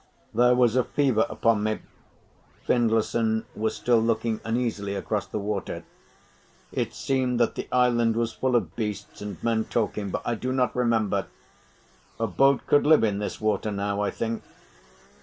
"There was a fever upon me." Findlayson was still looking uneasily across the water. "It seemed that the island was full of beasts and men talking, but I do not remember. A boat could live in this water now, I think."